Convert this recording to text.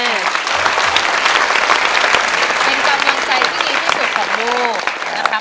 เป็นกำลังใจที่ดีที่สุดของลูกนะครับ